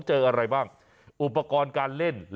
แบบนี้คือแบบนี้คือแบบนี้คือแบบนี้คือ